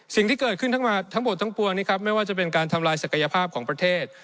สิ่งที่เกิดขึ้นทั้งหมดทั้งปวงนี้ครับไม่ว่าจะเป็นการทำลายศักยภาพของประเทศ